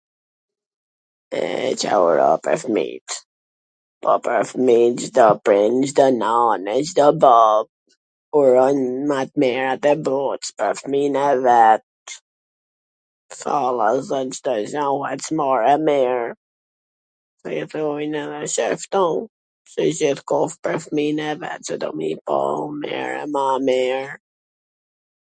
E Ca uro ke fmijt. Po pwr fmijt Cdo prind, Cdo nan, e Cdo bab uron ma t mirat e bots, pwr fmijn e vet, ...me dhan Cdo gja ma t mir, t jetojn edhe qashtu si gjithkush pwr fmijn e vet C e do me i pa mir e ma mir....